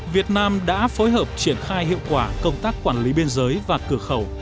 việt nam đã phối hợp triển khai hiệu quả công tác quản lý biên giới và cửa khẩu